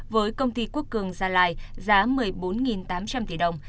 với công ty quốc cường gia lai giá một mươi bốn tám trăm linh tỷ đồng